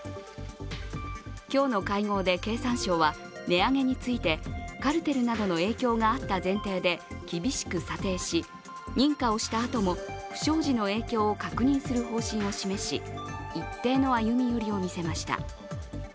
今日の会合で経産省は値上げについてカルテルなどの影響があった前提で、厳しく査定し認可をしたあとも不祥事の影響を確認する方針を示し、一定の歩み寄りを見せました。